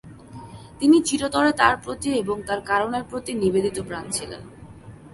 তিনি চিরতরে তার প্রতি এবং তার কারণের প্রতি নিবেদিত প্রাণ ছিলেন।